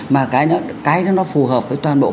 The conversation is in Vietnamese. mà cái đó nó phù hợp với toàn bộ